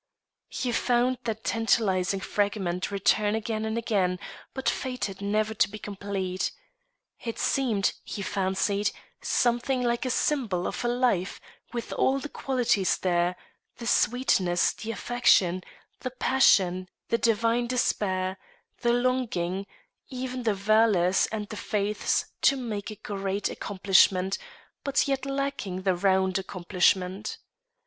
He found that tantalising fragment return again and again, but fated never to be complete. It seemed, he fancied, something like a symbol of a life with all the qualities there, the sweetness, the affection, the passion, the divine despair, the longing, even the valours and the faiths to make a great accomplishment, but yet lacking the round accomplishment.